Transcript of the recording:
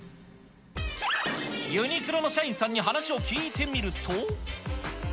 ユニクロの社員さんに話を聞いてみると。